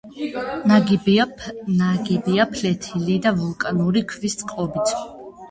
ნაგებია ფლეთილი და ვულკანური ქვის წყობით.